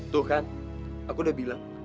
tuh kan aku udah bilang